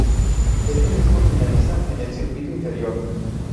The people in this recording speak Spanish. Este mismo Finaliza en el Circuito Interior.